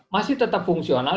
masih tetap fungsional